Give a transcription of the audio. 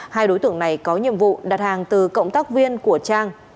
hai đối tượng này có nhiệm vụ đặt hàng từ cộng tác viên của trang